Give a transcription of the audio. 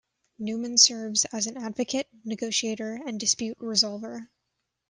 Newman serves as an advocate, negotiator and dispute resolver.